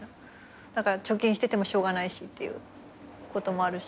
だから貯金しててもしょうがないしっていうこともあるし。